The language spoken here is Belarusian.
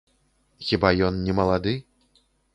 Хіба ён не малады?